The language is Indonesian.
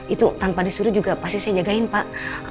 itu tanpa disuruh juga pasti saya jagain pak